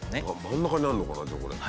真ん中にあるのかな